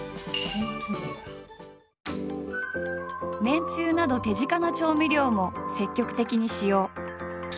めんつゆなど手近な調味料も積極的に使用。